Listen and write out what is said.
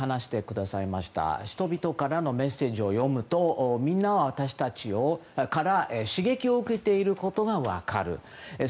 人々からのメッセージを読むとみんな私たちから刺激を受けていることが分かる。